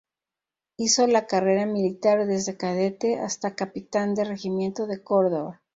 Hizo la carrera militar desde cadete hasta capitán del Regimiento de Córdoba.